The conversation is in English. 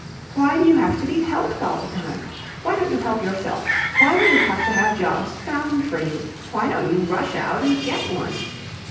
Why do you have to be helped all the time? Why don't you help yourself? Why do you have to have jobs found for you? Why don't you rush out and get one?